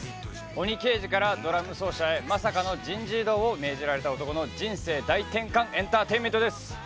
鬼刑事からドラム奏者へまさかの人事異動を命じられた男の人生大転換エンターテインメントです